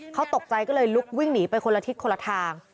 เขาตกใจก็เลยลุกวิ่งหนีไปคนละทิศคนละทาง